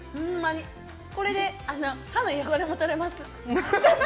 これで歯の汚れも取れます。